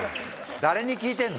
誰に聞いてんの？